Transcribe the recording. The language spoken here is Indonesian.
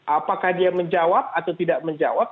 apakah dia menjawab atau tidak menjawab